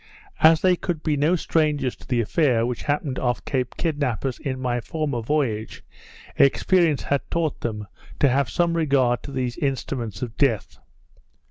As they could be no strangers to the affair which happened off Cape Kidnappers in my former voyage, experience had taught them to have some regard to these instruments of death.